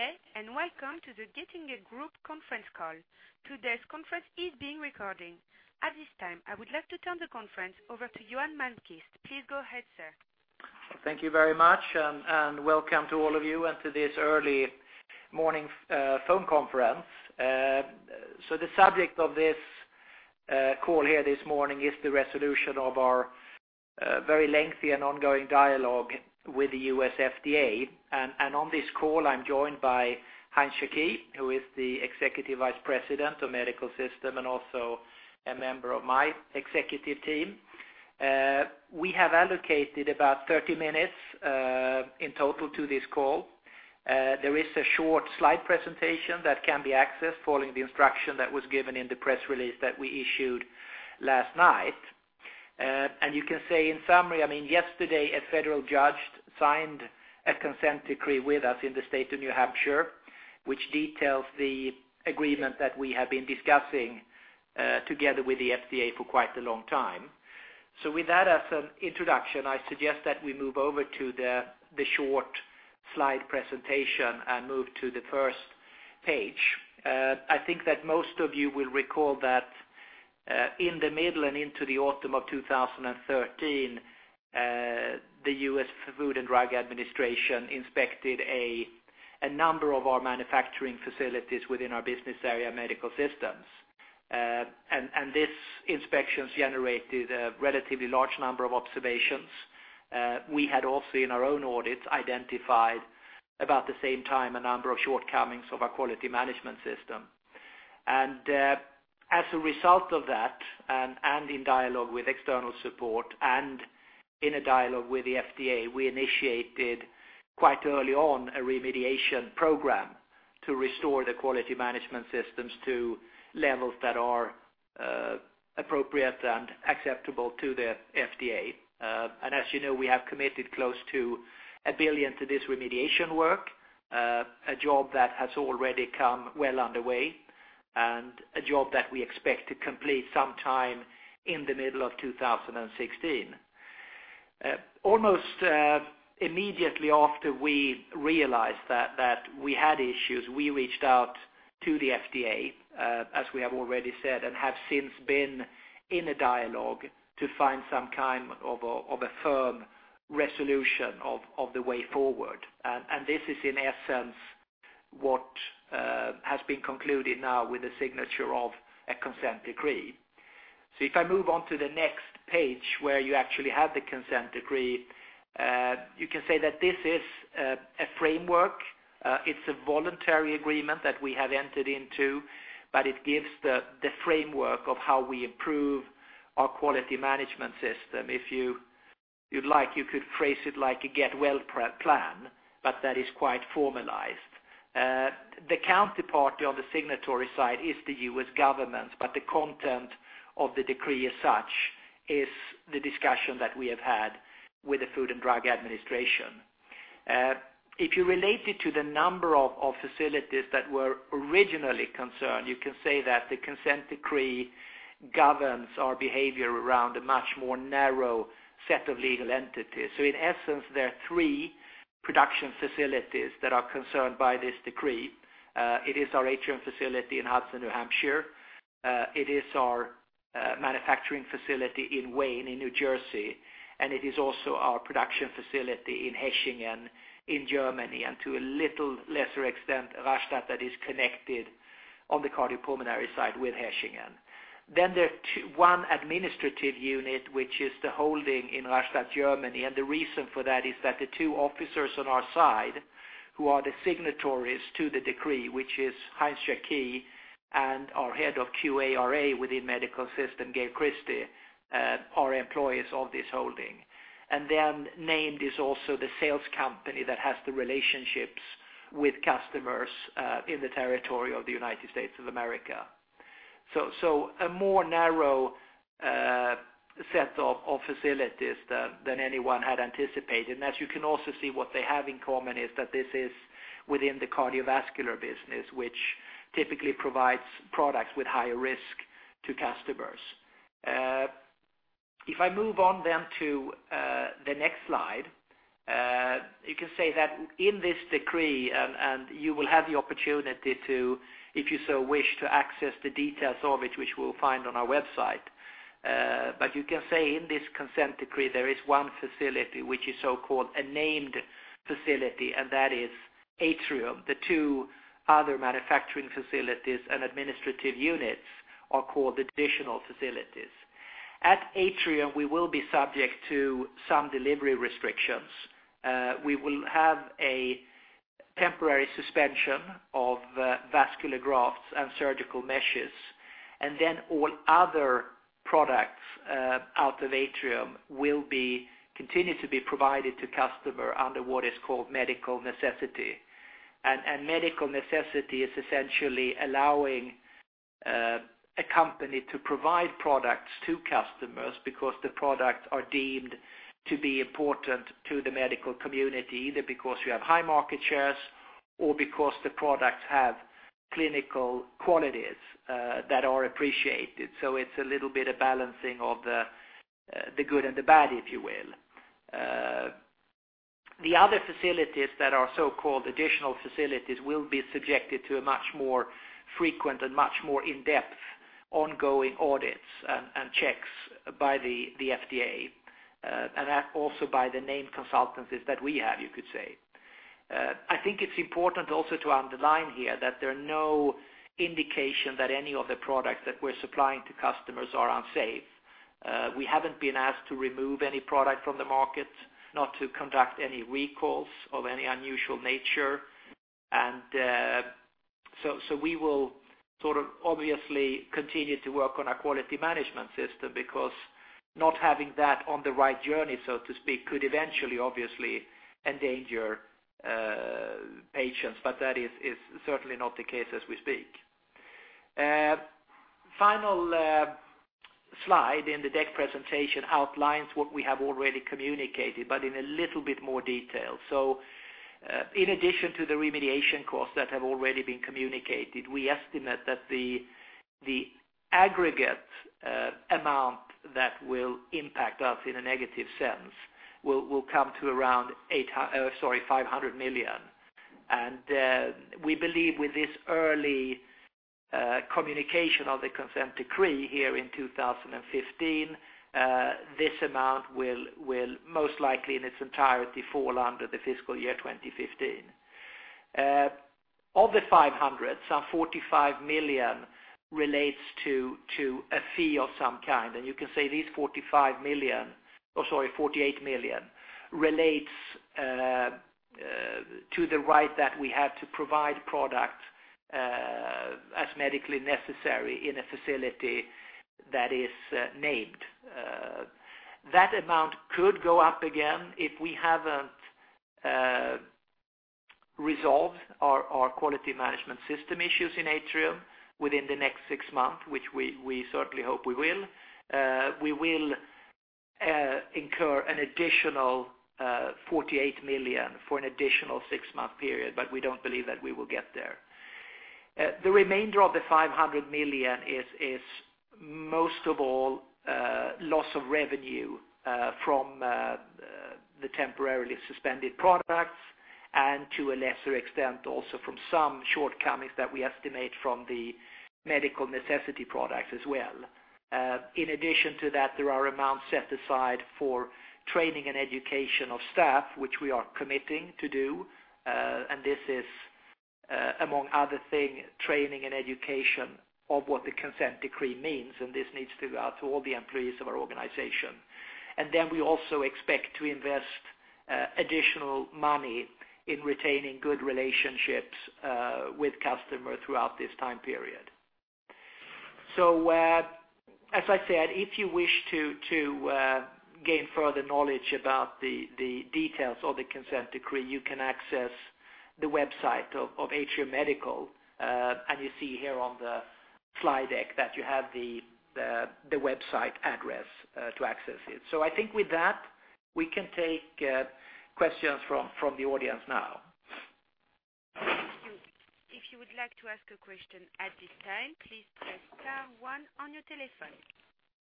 Good day, and welcome to the Getinge Group conference call. Today's conference is being recorded. At this time, I would like to turn the conference over to Johan Malmquist. Please go ahead, sir. Thank you very much, and welcome to all of you and to this early morning phone conference. So the subject of this call here this morning is the resolution of our very lengthy and ongoing dialogue with the U.S. FDA. On this call, I'm joined by Heinz Jacqui, who is the Executive Vice President of Medical Systems and also a member of my executive team. We have allocated about 30 minutes in total to this call. There is a short slide presentation that can be accessed following the instruction that was given in the press release that we issued last night. And you can say in summary, I mean, yesterday, a federal judge signed a Consent Decree with us in the state of New Hampshire, which details the agreement that we have been discussing, together with the FDA for quite a long time. So with that as an introduction, I suggest that we move over to the short slide presentation and move to the first page. I think that most of you will recall that, in the middle and into the autumn of 2013, the U.S. Food and Drug Administration inspected a number of our manufacturing facilities within our business area, Medical Systems. And these inspections generated a relatively large number of observations. We had also, in our own audits, identified about the same time, a number of shortcomings of our Quality Management System. As a result of that, and in dialogue with external support and in a dialogue with the FDA, we initiated, quite early on, a remediation program to restore the quality management systems to levels that are appropriate and acceptable to the FDA. And as you know, we have committed close to 1 billion to this remediation work, a job that has already come well underway, and a job that we expect to complete sometime in the middle of 2016. Almost immediately after we realized that we had issues, we reached out to the FDA, as we have already said, and have since been in a dialogue to find some kind of a firm resolution of the way forward. This is, in essence, what has been concluded now with the signature of a Consent Decree. If I move on to the next page, where you actually have the Consent Decree, you can say that this is a framework. It's a voluntary agreement that we have entered into, but it gives the framework of how we improve our Quality Management System. If you'd like, you could phrase it like a get-well plan, but that is quite formalized. The counterparty on the signatory side is the U.S. government, but the content of the decree as such is the discussion that we have had with the Food and Drug Administration. If you relate it to the number of facilities that were originally concerned, you can say that the Consent Decree governs our behavior around a much more narrow set of legal entities. So in essence, there are three production facilities that are concerned by this decree. It is our Atrium facility in Hudson, New Hampshire. It is our manufacturing facility in Wayne, New Jersey, and it is also our production facility in Hechingen, Germany, and to a little lesser extent, Rastatt, that is connected on the cardiopulmonary side with Hechingen. Then there are two—one administrative unit, which is the holding in Rastatt, Germany. The reason for that is that the two officers on our side, who are the signatories to the decree, which is Heinz Jacqui and our head of QARA within Medical Systems, Gail Christie, are employees of this holding. Then named is also the sales company that has the relationships with customers in the territory of the United States of America. So a more narrow set of facilities than anyone had anticipated. And as you can also see, what they have in common is that this is within the cardiovascular business, which typically provides products with higher risk to customers. If I move on then to the next slide, you can say that in this decree, and you will have the opportunity to, if you so wish, access the details of it, which we'll find on our website. But you can say in this Consent Decree, there is one facility which is so-called a named facility, and that is Atrium. The two other manufacturing facilities and administrative units are called additional facilities. At Atrium, we will be subject to some delivery restrictions. We will have a temporary suspension of vascular grafts and surgical meshes, and then all other products out of Atrium will continue to be provided to customer under what is called Medical Necessity. And Medical Necessity is essentially allowing a company to provide products to customers because the products are deemed to be important to the medical community, either because we have high market shares or because the products have clinical qualities that are appreciated. So it's a little bit of balancing of the good and the bad, if you will. The other facilities that are so-called additional facilities will be subjected to a much more frequent and much more in-depth ongoing audits and checks by the FDA and also by the named consultancies that we have, you could say. I think it's important also to underline here that there are no indication that any of the products that we're supplying to customers are unsafe. We haven't been asked to remove any product from the market, not to conduct any recalls of any unusual nature. So we will sort of obviously continue to work on our quality management system because not having that on the right journey, so to speak, could eventually obviously endanger patients, but that is certainly not the case as we speak. Final slide in the deck presentation outlines what we have already communicated, but in a little bit more detail. So, in addition to the remediation costs that have already been communicated, we estimate that the aggregate amount that will impact us in a negative sense will come to around, sorry, 500 million. And we believe with this early communication of the Consent Decree here in 2015, this amount will most likely in its entirety fall under the fiscal year 2015. Of the 500 million, some 45 million relates to a fee of some kind. And you can say these 45 million, or sorry, 48 million, relates to the right that we have to provide product as medically necessary in a facility that is named. That amount could go up again if we haven't resolved our quality management system issues in Atrium within the next six months, which we certainly hope we will. We will incur an additional 48 million for an additional six-month period, but we don't believe that we will get there. The remainder of the 500 million is most of all loss of revenue from the temporarily suspended products, and to a lesser extent, also from some shortcomings that we estimate from the Medical Necessity products as well. In addition to that, there are amounts set aside for training and education of staff, which we are committing to do. And this is, among other thing, training and education of what the Consent Decree means, and this needs to go out to all the employees of our organization. And then we also expect to invest additional money in retaining good relationships with customers throughout this time period. So, as I said, if you wish to gain further knowledge about the details of the Consent Decree, you can access the website of Atrium Medical, and you see here on the slide deck that you have the website address to access it. So I think with that, we can take questions from the audience now. Thank you. If you would like to ask a question at this time, please press star one on your telephone.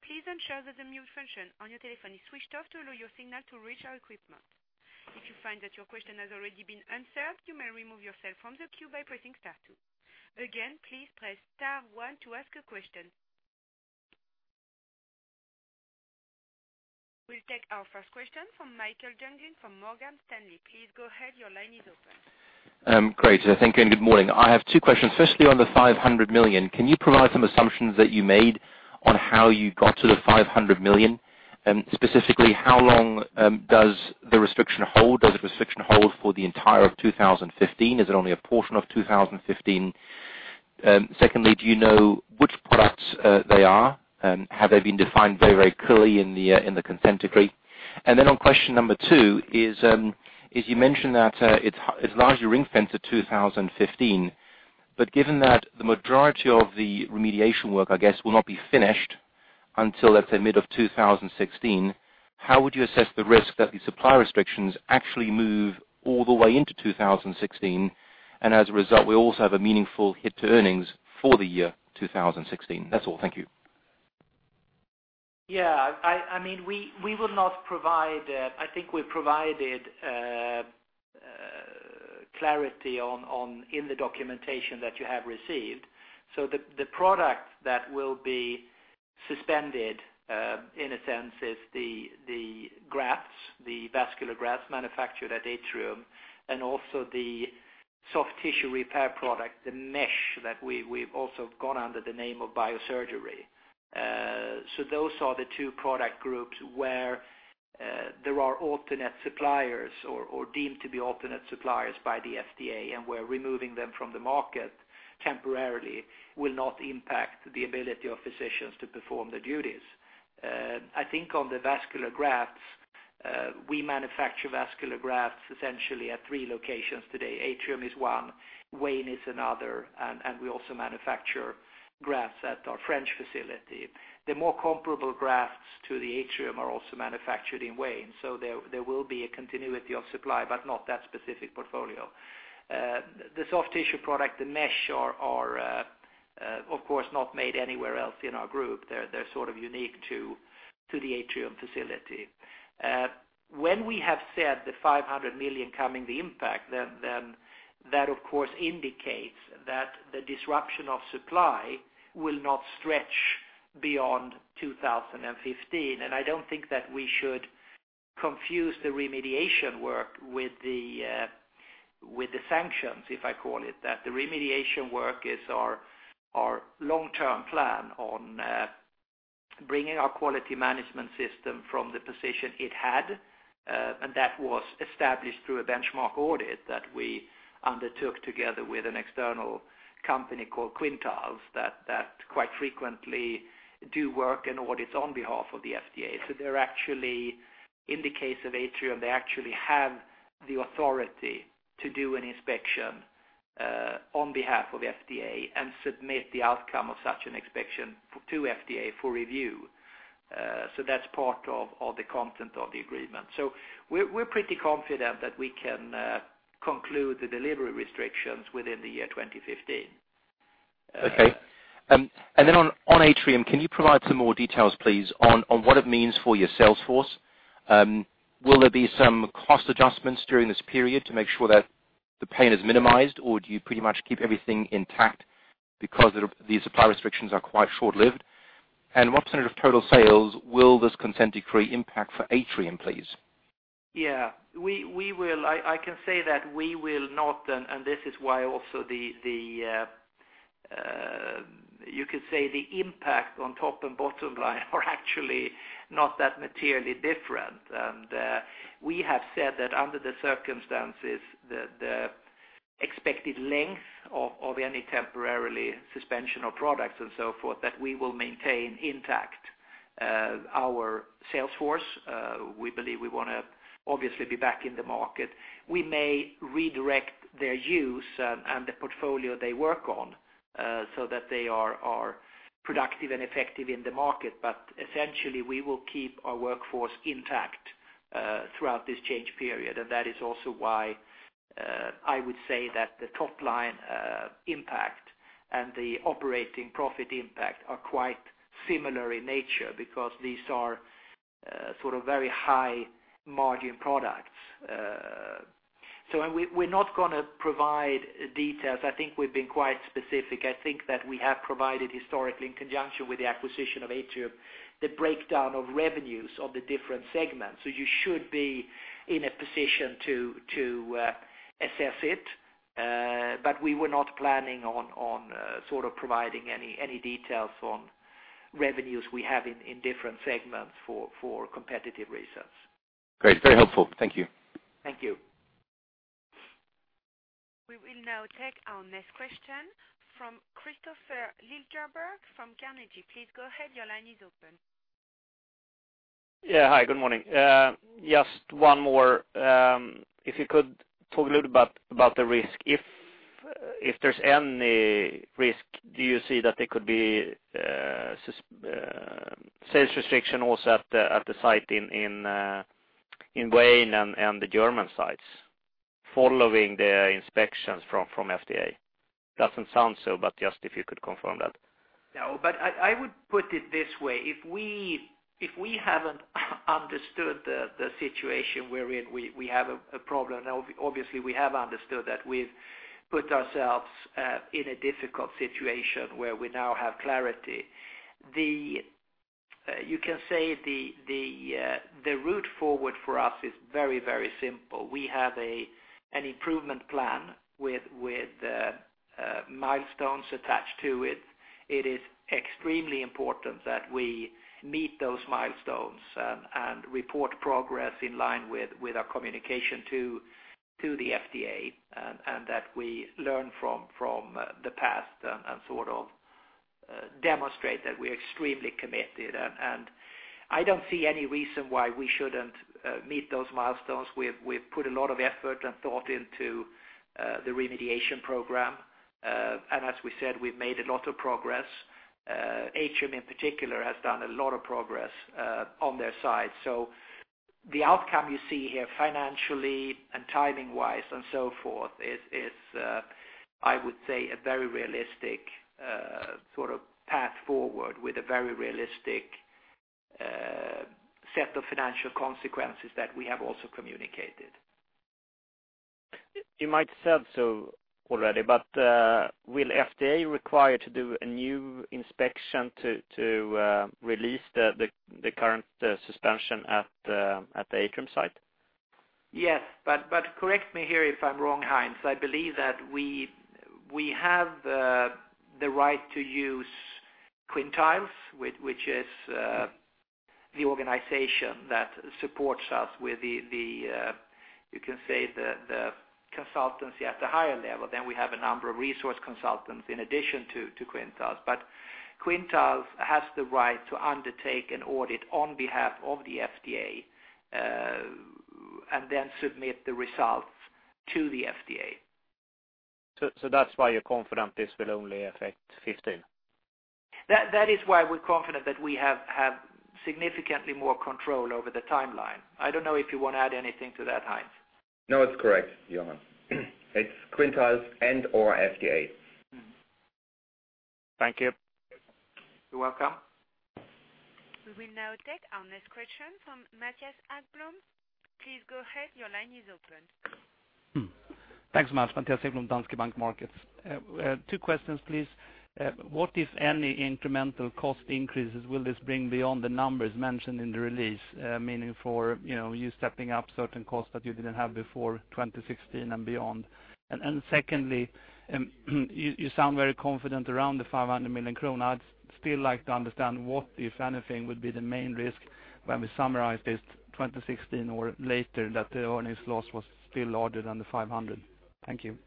Please ensure that the mute function on your telephone is switched off to allow your signal to reach our equipment. If you find that your question has already been answered, you may remove yourself from the queue by pressing star two. Again, please press star one to ask a question. We'll take our first question from Michael Jungling from Morgan Stanley. Please go ahead, your line is open. Great, thank you, and good morning. I have two questions. Firstly, on the 500 million, can you provide some assumptions that you made on how you got to the 500 million? Specifically, how long does the restriction hold? Does the restriction hold for the entire 2015? Is it only a portion of 2015? Secondly, do you know which products they are? Have they been defined very, very clearly in the Consent Decree? And then on question number two is, as you mentioned that, it's, it's largely ring-fenced to 2015, but given that the majority of the remediation work, I guess, will not be finished until, let's say, mid of 2016, how would you assess the risk that the supply restrictions actually move all the way into 2016, and as a result, we also have a meaningful hit to earnings for the year 2016? That's all. Thank you. Yeah, I mean, we will not provide. I think we provided clarity on in the documentation that you have received. So the product that will be suspended, in a sense, is the grafts, the vascular grafts manufactured at Atrium, and also the soft tissue repair product, the mesh that we've also gone under the name of biosurgery. So those are the two product groups where there are alternate suppliers or deemed to be alternate suppliers by the FDA, and we're removing them from the market temporarily. It will not impact the ability of physicians to perform their duties. I think on the vascular grafts, we manufacture vascular grafts essentially at three locations today. Atrium is one, Wayne is another, and we also manufacture grafts at our French facility. The more comparable grafts to the Atrium are also manufactured in Wayne, so there will be a continuity of supply, but not that specific portfolio. The soft tissue product, the mesh are of course not made anywhere else in our group. They're sort of unique to the Atrium facility. When we have said the 500 million coming the impact, then that of course indicates that the disruption of supply will not stretch beyond 2015. I don't think that we should confuse the remediation work with the sanctions, if I call it that. The remediation work is our long-term plan on bringing our quality management system from the position it had. And that was established through a benchmark audit that we undertook together with an external company called Quintiles, that quite frequently do work and audits on behalf of the FDA. So they're actually, in the case of Atrium, they actually have the authority to do an inspection, on behalf of the FDA and submit the outcome of such an inspection to FDA for review. So that's part of the content of the agreement. So we're pretty confident that we can conclude the delivery restrictions within the year 2015. Okay. And then on Atrium, can you provide some more details, please, on what it means for your sales force? Will there be some cost adjustments during this period to make sure that the pain is minimized, or do you pretty much keep everything intact because the supply restrictions are quite short-lived? And what percent of total sales will this Consent Decree impact for Atrium, please? Yeah. We will, I can say that we will not, and this is why also, you could say, the impact on top and bottom line are actually not that materially different. We have said that under the circumstances, the expected length of any temporary suspension of products and so forth, that we will maintain intact our sales force. We believe we want to obviously be back in the market. We may redirect their use and the portfolio they work on so that they are productive and effective in the market. But essentially, we will keep our workforce intact throughout this change period. That is also why I would say that the top line impact and the operating profit impact are quite similar in nature, because these are sort of very high-margin products. So and we, we're not gonna provide details. I think we've been quite specific. I think that we have provided historically, in conjunction with the acquisition of Atrium, the breakdown of revenues of the different segments. So you should be in a position to, to assess it. But we were not planning on, on sort of providing any, any details on revenues we have in, in different segments for, for competitive reasons. Great. Very helpful. Thank you. Thank you. We will now take our next question from Kristofer Liljeberg from Carnegie. Please go ahead. Your line is open. Yeah, hi, good morning. Just one more. If you could talk a little about the risk. If there's any risk, do you see that there could be sales restriction also at the site in Wayne and the German sites following the inspections from FDA? Doesn't sound so, but just if you could confirm that. No, but I would put it this way: if we haven't understood the situation we're in, we have a problem. Now, obviously, we have understood that. We've put ourselves in a difficult situation where we now have clarity. You can say the route forward for us is very, very simple. We have an improvement plan with milestones attached to it. It is extremely important that we meet those milestones and report progress in line with our communication to the FDA, and that we learn from the past and sort of demonstrate that we are extremely committed. And I don't see any reason why we shouldn't meet those milestones. We've put a lot of effort and thought into the remediation program. As we said, we've made a lot of progress. Atrium, in particular, has done a lot of progress, on their side. So the outcome you see here, financially and timing-wise and so forth, is, I would say, a very realistic, sort of path forward, with a very realistic, set of financial consequences that we have also communicated. You might said so already, but will FDA require to do a new inspection to release the current suspension at the Atrium site? Yes, but correct me here if I'm wrong, Heinz. I believe that we have the right to use Quintiles, which is the organization that supports us with the, you can say the consultancy at a higher level. Then we have a number of resource consultants in addition to Quintiles. But Quintiles has the right to undertake an audit on behalf of the FDA, and then submit the results to the FDA. So, that's why you're confident this will only affect 15? That is why we're confident that we have significantly more control over the timeline. I don't know if you want to add anything to that, Heinz? No, it's correct, Johan. It's Quintiles and/or FDA. Thank you. You're welcome. We will now take our next question from Mattias Holmberg. Please go ahead. Your line is open. Thanks so much, Mattias Holmberg, Danske Bank Markets. Two questions, please. What, if any, incremental cost increases will this bring beyond the numbers mentioned in the release? Meaning for, you know, you stepping up certain costs that you didn't have before 2016 and beyond. And secondly, you sound very confident around the 500 million kronor. I'd still like to understand what, if anything, would be the main risk when we summarize this 2016 or later, that the earnings loss was still larger than the 500 million. Thank you.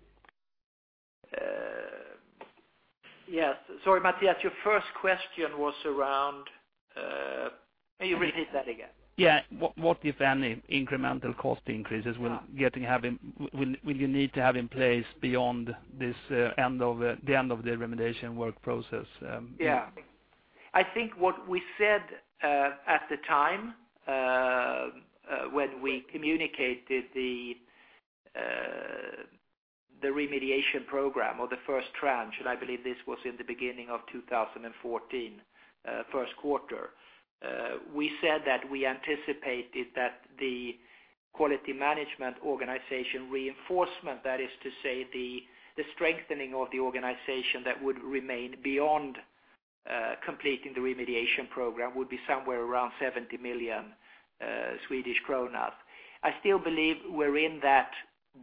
Yes. Sorry, Mattias, your first question was around, may you repeat that again? Yeah. What, if any, incremental cost increases will Getinge—will you need to have in place beyond this end of the remediation work process? Yeah. I think what we said at the time, when we communicated the remediation program, or the first tranche, and I believe this was in the beginning of 2014, first quarter. We said that we anticipated that the quality management organization reinforcement, that is to say, the strengthening of the organization that would remain beyond completing the remediation program, would be somewhere around 70 million Swedish kronor. I still believe we're in that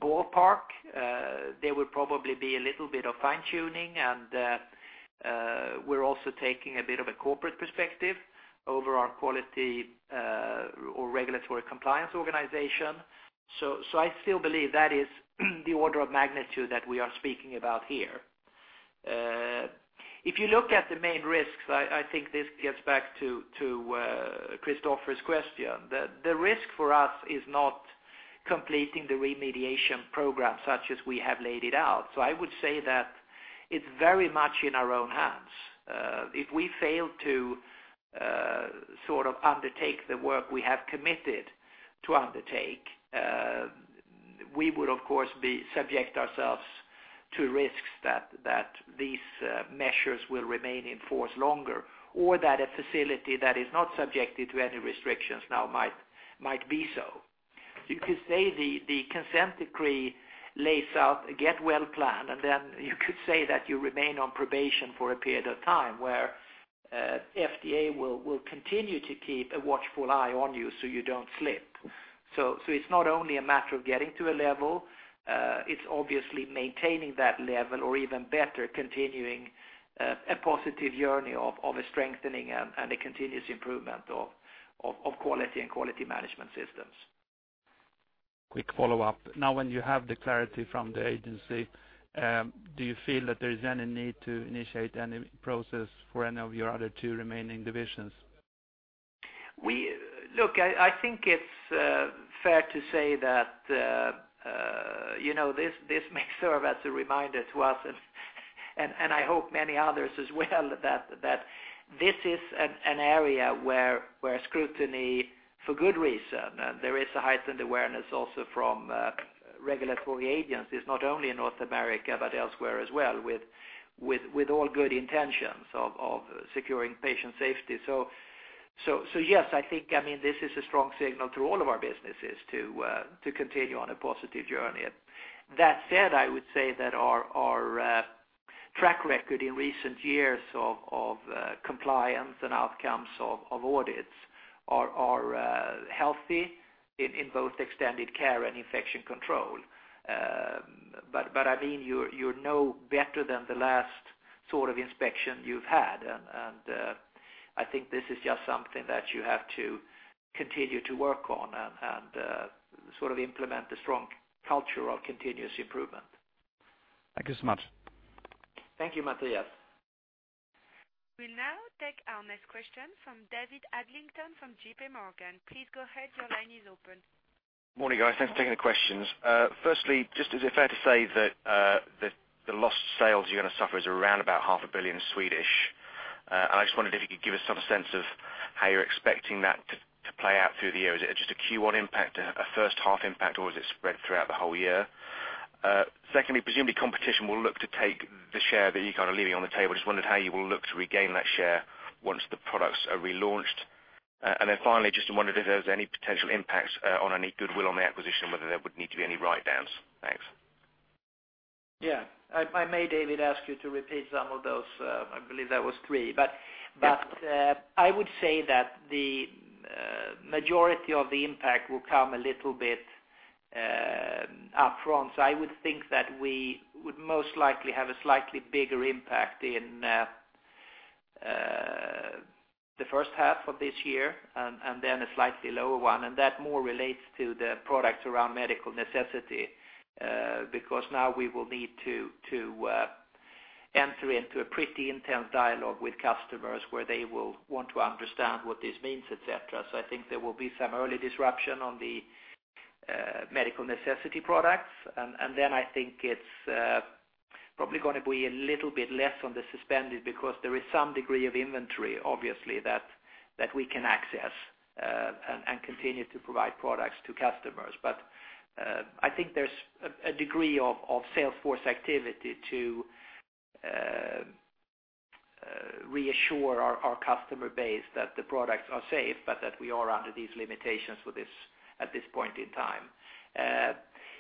ballpark. There will probably be a little bit of fine-tuning, and we're also taking a bit of a corporate perspective over our quality or regulatory compliance organization. So I still believe that is the order of magnitude that we are speaking about here. If you look at the main risks, I think this gets back to Kristofer's question. The risk for us is not completing the remediation program such as we have laid it out. So I would say that it's very much in our own hands. If we fail to sort of undertake the work we have committed to undertake, we would, of course, be subject ourselves to risks that these measures will remain in force longer, or that a facility that is not subjected to any restrictions now might be so. You could say the Consent Decree lays out a get well plan, and then you could say that you remain on probation for a period of time, where FDA will continue to keep a watchful eye on you, so you don't slip. So, it's not only a matter of getting to a level, it's obviously maintaining that level, or even better, continuing a positive journey of a strengthening and a continuous improvement of quality and quality management systems. Quick follow-up. Now, when you have the clarity from the agency, do you feel that there is any need to initiate any process for any of your other two remaining divisions? Look, I think it's fair to say that, you know, this may serve as a reminder to us, and I hope many others as well, that this is an area where scrutiny for good reason, and there is a heightened awareness also from regulatory agencies, not only in North America, but elsewhere as well, with all good intentions of securing patient safety. So, yes, I think, I mean, this is a strong signal to all of our businesses to continue on a positive journey. That said, I would say that our track record in recent years of compliance and outcomes of audits are healthy in both Extended Care and Infection Control. But, I mean, you're no better than the last sort of inspection you've had. And I think this is just something that you have to continue to work on and sort of implement a strong culture of continuous improvement. Thank you so much. Thank you, Mattias. We'll now take our next question from David Adlington, from JP Morgan. Please go ahead. Your line is open. Morning, guys. Thanks for taking the questions. Firstly, just is it fair to say that the lost sales you're going to suffer is around about 500 million? And I just wondered if you could give us some sense of how you're expecting that to play out through the year. Is it just a Q1 impact, a first half impact, or is it spread throughout the whole year? Secondly, presumably competition will look to take the share that you're kind of leaving on the table. Just wondered how you will look to regain that share once the products are relaunched. And then finally, just wondered if there was any potential impacts on any goodwill on the acquisition, whether there would need to be any write-downs. Thanks. Yeah. If I may, David, ask you to repeat some of those? I believe that was three, but- But, I would say that the majority of the impact will come a little bit upfront. So I would think that we would most likely have a slightly bigger impact in the first half of this year, and then a slightly lower one, and that more relates to the products around Medical Necessity, because now we will need to enter into a pretty intense dialogue with customers where they will want to understand what this means, et cetera. So I think there will be some early disruption on the Medical Necessity products. And then I think it's probably gonna be a little bit less on the suspended because there is some degree of inventory, obviously, that we can access, and continue to provide products to customers. I think there's a degree of sales force activity to reassure our customer base that the products are safe, but that we are under these limitations for this at this point in time.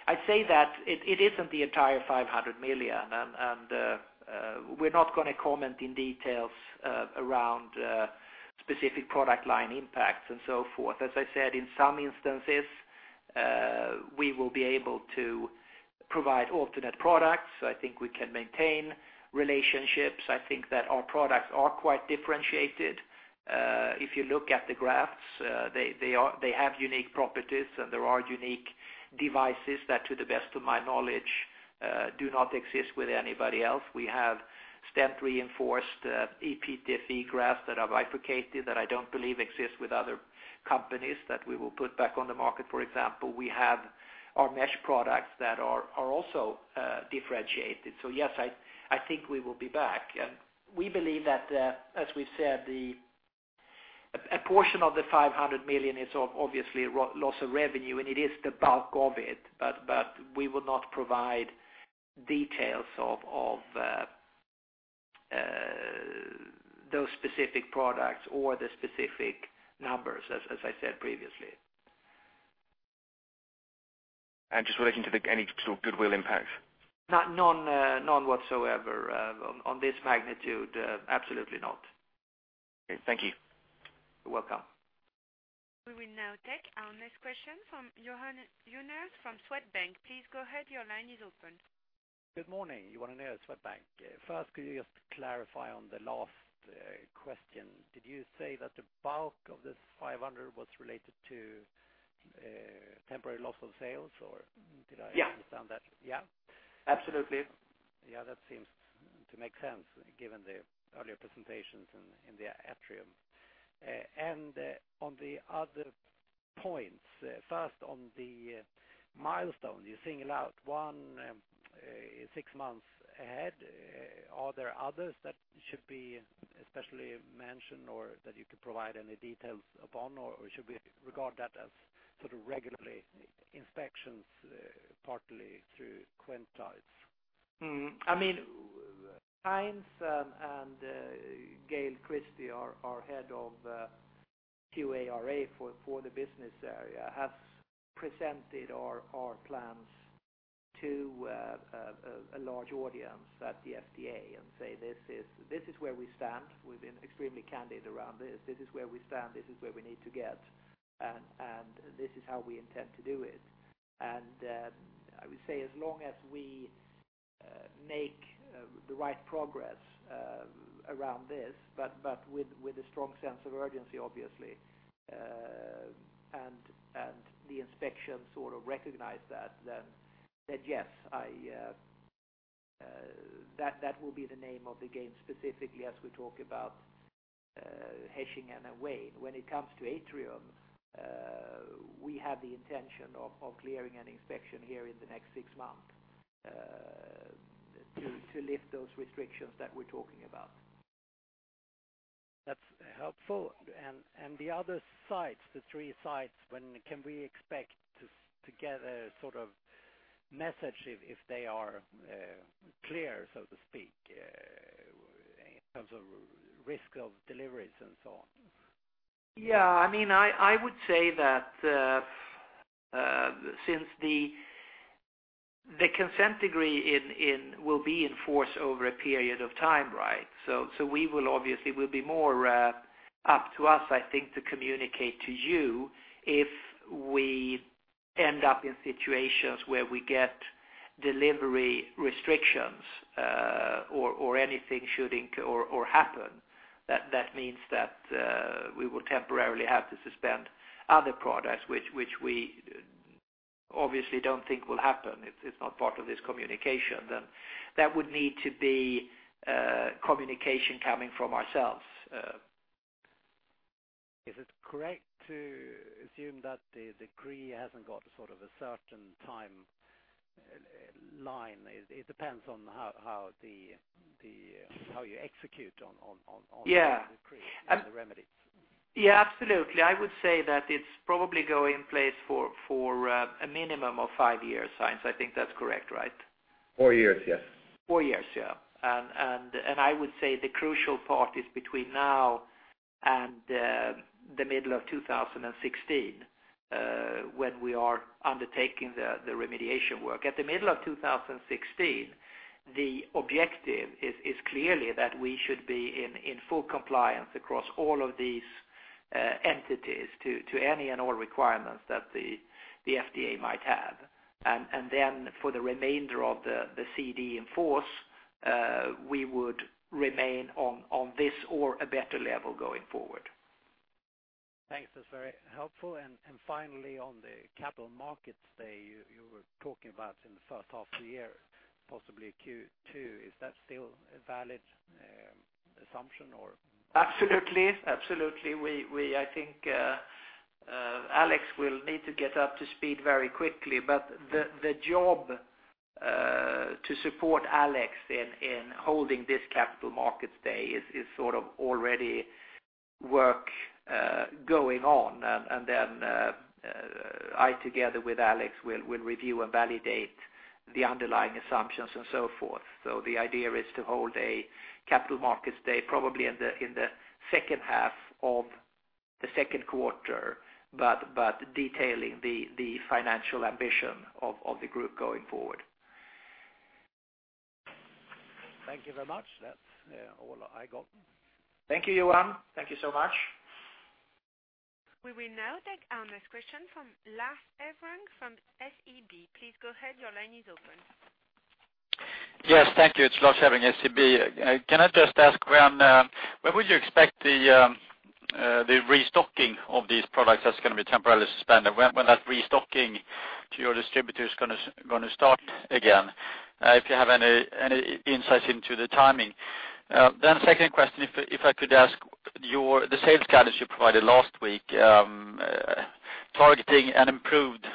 I'd say that it isn't the entire 500 million, and we're not gonna comment in details around specific product line impacts and so forth. As I said, in some instances, we will be able to provide alternate products. I think we can maintain relationships. I think that our products are quite differentiated. If you look at the grafts, they are. They have unique properties, and there are unique devices that, to the best of my knowledge, do not exist with anybody else. We have stent-reinforced ePTFE grafts that are bifurcated, that I don't believe exist with other companies, that we will put back on the market. For example, we have our mesh products that are also differentiated. So yes, I think we will be back. And we believe that, as we said, a portion of the 500 million is obviously loss of revenue, and it is the bulk of it, but we will not provide details of those specific products or the specific numbers, as I said previously. Just relating to the, any sort of goodwill impact? None whatsoever on this magnitude, absolutely not. Okay. Thank you. You're welcome. We will now take our next question from Johan Unnérus from Swedbank. Please go ahead. Your line is open. Good morning, Johan Unnérus, Swedbank. First, could you just clarify on the last question? Did you say that the bulk of this 500 million was related to temporary loss of sales, or did I- Yeah. Understand that? Yeah. Absolutely. Yeah, that seems to make sense, given the earlier presentations in the Atrium. And on the other points, first, on the milestone, you singled out one six months ahead. Are there others that should be especially mentioned or that you could provide any details upon, or should we regard that as sort of regular inspections, partly through Quintiles? Hmm. I mean, Heinz, and Gail Christie, our head of QARA for the business area, has presented our plans to a large audience at the FDA and say, "This is, this is where we stand. We've been extremely candid around this. This is where we stand, this is where we need to get, and, and this is how we intend to do it." And I would say as long as we make the right progress around this, but with a strong sense of urgency, obviously, and the inspection sort of recognize that, then yes, that will be the name of the game, specifically as we talk about Hechingen and Wayne. When it comes to Atrium, we have the intention of clearing an inspection here in the next six months to lift those restrictions that we're talking about. That's helpful. And the other sites, the three sites, when can we expect to get a sort of message if they are clear, so to speak, in terms of risk of deliveries and so on? Yeah, I mean, I would say that since the Consent Decree will be in force over a period of time, right? So we will obviously be more up to us, I think, to communicate to you if we end up in situations where we get delivery restrictions, or anything should happen that means that we will temporarily have to suspend other products, which we obviously don't think will happen. It's not part of this communication, then that would need to be communication coming from ourselves. Is it correct to assume that the decree hasn't got sort of a certain timeline? It depends on how you execute on. Yeah. -the remedies. Yeah, absolutely. I would say that it's probably going in place for a minimum of five years. Heinz, I think that's correct, right? Four years, yes. Four years, yeah. And I would say the crucial part is between now and the middle of 2016, when we are undertaking the remediation work. At the middle of 2016, the objective is clearly that we should be in full compliance across all of these entities to any and all requirements that the FDA might have. And then for the remainder of the CD in force, we would remain on this or a better level going forward. Thanks. That's very helpful. And finally, on the Capital Markets Day, you were talking about in the first half of the year, possibly Q2, is that still valid assumption or? Absolutely, absolutely. We, I think, Alex will need to get up to speed very quickly, but the job to support Alex in holding this Capital Markets Day is sort of already work going on. And then, I together with Alex, will review and validate the underlying assumptions and so forth. So the idea is to hold a Capital Markets Day, probably in the second half of the second quarter, but detailing the financial ambition of the group going forward. Thank you very much. That's all I got. Thank you, Johan. Thank you so much. We will now take our next question from Lars Ekbrink from SEB. Please go ahead. Your line is open. Yes, thank you. It's Lars Ekbrink, SEB. Can I just ask when, when would you expect the restocking of these products that's going to be temporarily suspended? When, when that restocking to your distributor is gonna start again? If you have any, any insights into the timing. Then second question, if, if I could ask, your, the sales guidance you provided last week, targeting an improved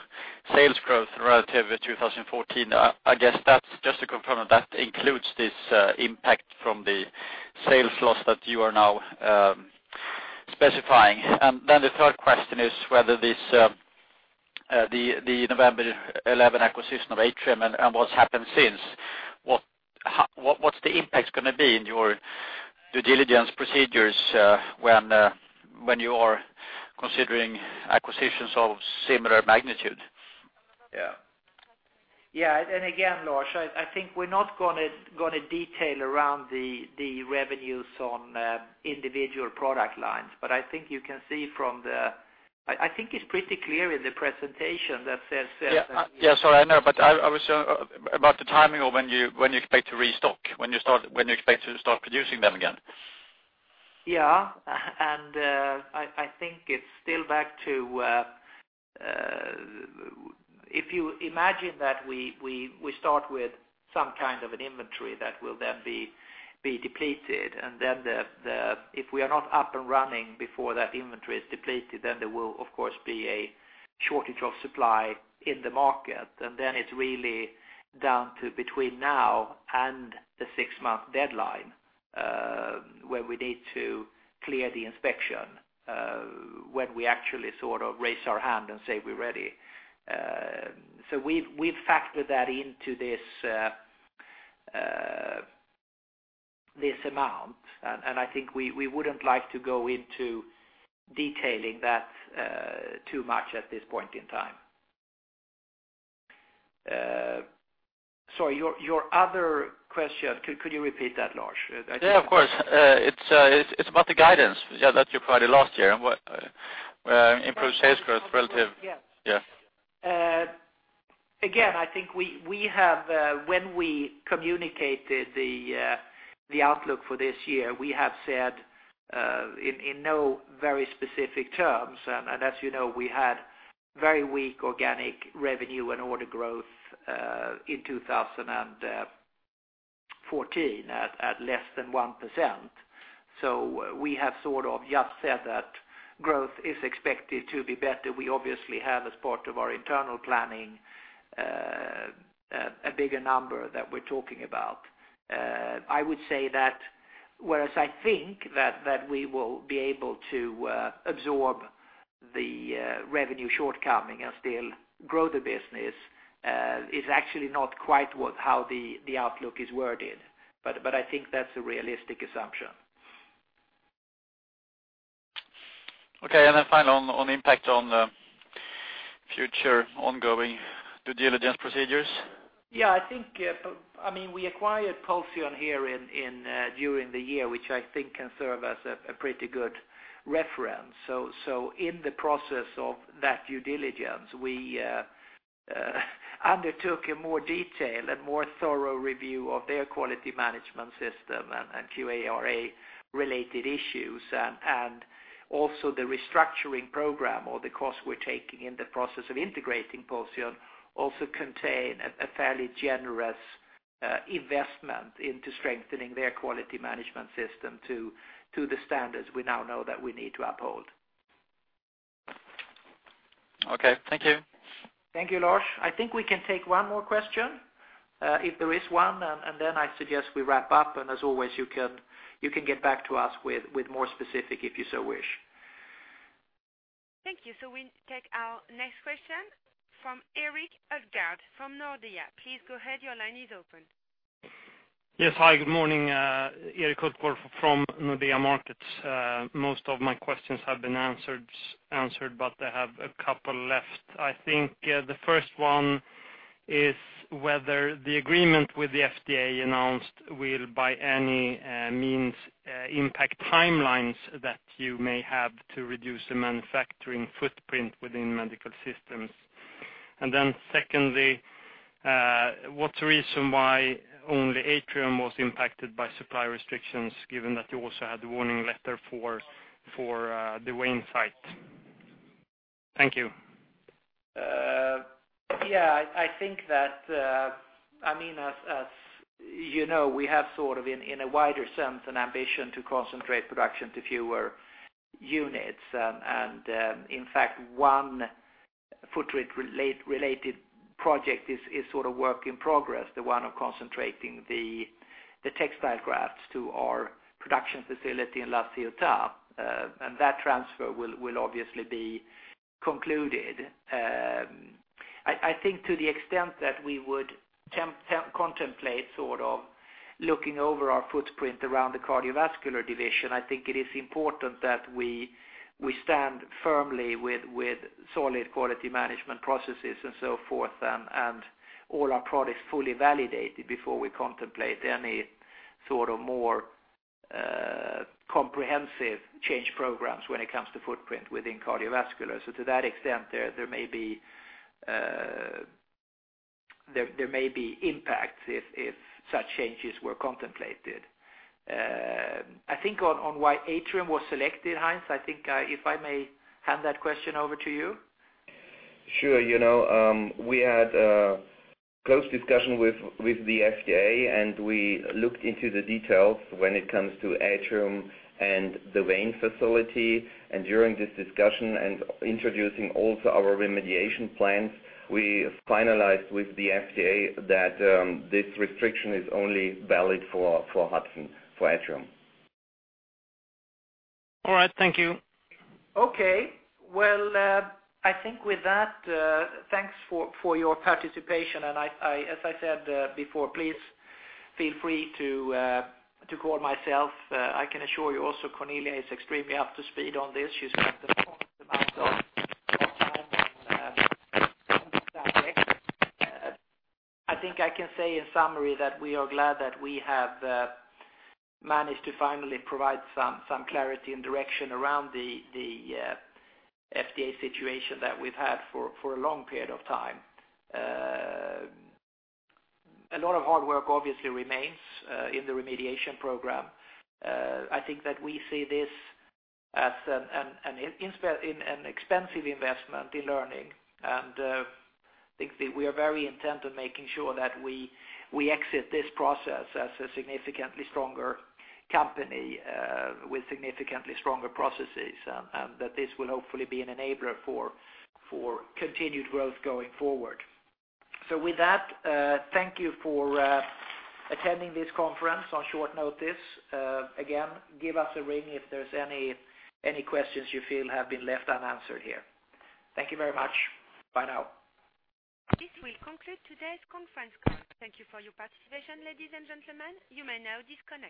sales growth relative to 2014. I, I guess that's just to confirm that includes this impact from the sales loss that you are now specifying. And then the third question is whether this, the November 2011 acquisition of Atrium and what's happened since, what's the impact gonna be in your due diligence procedures, when you are considering acquisitions of similar magnitude? Yeah. Yeah, and again, Lars, I think we're not gonna detail around the revenues on individual product lines. But I think you can see from the... I think it's pretty clear in the presentation that says- Yeah, yeah, sorry, I know, but I was about the timing of when you expect to restock, when you expect to start producing them again. Yeah, and I think it's still back to if you imagine that we start with some kind of an inventory that will then be depleted, and then if we are not up and running before that inventory is depleted, then there will, of course, be a shortage of supply in the market. And then it's really down to between now and the six-month deadline, where we need to clear the inspection, when we actually sort of raise our hand and say, "We're ready." So we've factored that into this amount, and I think we wouldn't like to go into detailing that too much at this point in time. Sorry, your other question, could you repeat that, Lars? Yeah, of course. It's, it's about the guidance, yeah, that you provided last year and what, improved sales growth relative. Yes. Yeah. Again, I think we have, when we communicated the outlook for this year, we have said, in no very specific terms, and as you know, we had very weak organic revenue and order growth, in 2014, at less than 1%. So we have sort of just said that growth is expected to be better. We obviously have, as part of our internal planning, a bigger number that we're talking about. I would say that whereas I think that we will be able to absorb the revenue shortcoming and still grow the business, is actually not quite what, how the outlook is worded, but I think that's a realistic assumption. Okay, and then final one on impact on the future ongoing due diligence procedures? Yeah, I think, I mean, we acquired Pulsion here in during the year, which I think can serve as a pretty good reference. So in the process of that due diligence, we undertook a more detailed and more thorough review of their quality management system and QARA related issues. Also the restructuring program or the costs we're taking in the process of integrating Pulsion also contain a fairly generous investment into strengthening their quality management system to the standards we now know that we need to uphold. Okay, thank you. Thank you, Lars. I think we can take one more question, if there is one, and then I suggest we wrap up. As always, you can get back to us with more specific, if you so wish. Thank you. So we take our next question from Erik Hultgård from Nordea. Please go ahead. Your line is open. Yes. Hi, good morning, Erik Hultgård from Nordea Markets. Most of my questions have been answered, but I have a couple left. I think, the first one is whether the agreement with the FDA announced will, by any, means, impact timelines that you may have to reduce the manufacturing footprint within medical systems. And then secondly, what's the reason why only Atrium was impacted by supply restrictions, given that you also had the warning letter for, the Wayne site? Thank you. Yeah, I think that, I mean, as you know, we have sort of in a wider sense an ambition to concentrate production to fewer units. In fact, one footprint related project is sort of work in progress, the one of concentrating the textile grafts to our production facility in La Ciotat, and that transfer will obviously be concluded. I think to the extent that we would contemplate sort of looking over our footprint around the cardiovascular division, I think it is important that we stand firmly with solid quality management processes and so forth, and all our products fully validated before we contemplate any sort of more comprehensive change programs when it comes to footprint within cardiovascular. So to that extent, there may be impacts if such changes were contemplated. I think on why Atrium was selected, Heinz, if I may hand that question over to you. Sure. You know, we had close discussion with the FDA, and we looked into the details when it comes to Atrium and the vein facility. And during this discussion and introducing also our remediation plans, we finalized with the FDA that this restriction is only valid for Hudson, for Atrium. All right. Thank you. Okay. Well, I think with that, thanks for your participation. I, as I said before, please feel free to call myself. I can assure you also, Cornelia is extremely up to speed on this. She's, I think I can say in summary, that we are glad that we have managed to finally provide some clarity and direction around the FDA situation that we've had for a long period of time. A lot of hard work obviously remains in the remediation program. I think that we see this as an expensive investment in learning, and I think that we are very intent on making sure that we exit this process as a significantly stronger company, with significantly stronger processes, and that this will hopefully be an enabler for continued growth going forward. So with that, thank you for attending this conference on short notice. Again, give us a ring if there's any questions you feel have been left unanswered here. Thank you very much. Bye now. This will conclude today's conference call. Thank you for your participation, ladies and gentlemen. You may now disconnect.